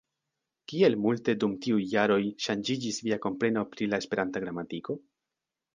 Kiel multe dum tiuj jaroj ŝanĝiĝis via kompreno pri la Esperanta gramatiko?